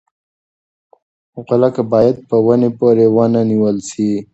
غولکه باید په ونې پورې ونه نیول شي.